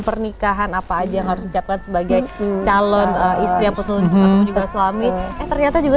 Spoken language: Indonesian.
pernikahan apa aja yang harus dicapkan sebagai calon istri ataupun juga suami eh ternyata juga